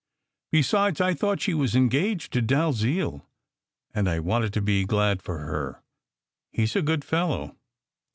Besides, I thought she was engaged to Dalziel, and I wanted to be glad for her. He s a good fellow.